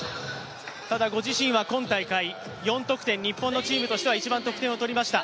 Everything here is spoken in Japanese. ただ、ご自身は今大会４得点、日本のチームとしては一番得点を取りました。